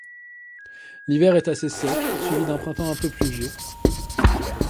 L'hiver est assez sec, suivi d'un printemps peu pluvieux.